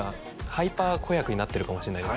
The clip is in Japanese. ハイパー子役になってるかもしれないですね